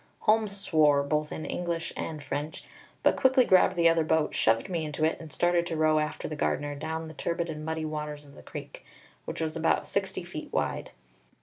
Holmes swore, both in English and French, but quickly grabbed the other boat, shoved me into it, and started to row after the gardener down the turbid and muddy waters of the creek, which was about sixty feet wide.